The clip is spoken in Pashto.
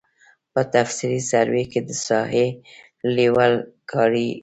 په تفصیلي سروې کې د ساحې لیول کاري کیږي